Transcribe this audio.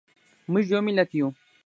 موږ یو ملت یو.